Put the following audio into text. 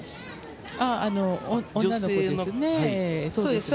女の子ですね。